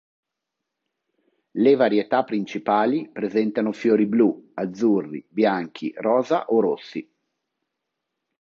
Le varietà principali presentano fiori blu, azzurri, bianchi, rosa o rossi.